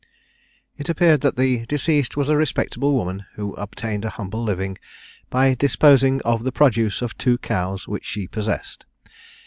It appeared that the deceased was a respectable woman, who obtained an humble living by disposing of the produce of two cows which she possessed.